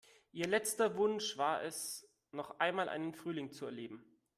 Ihr letzter Wunsch war es, noch einmal einen Frühling zu erleben.